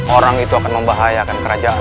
orang itu akan membahayakan kerajaan